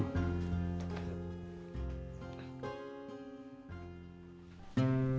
jadi yang ikut kutip